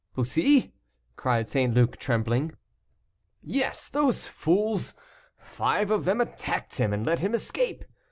"Bussy!" cried St. Luc, trembling. "Yes, those fools! five of them attacked him, and let him escape.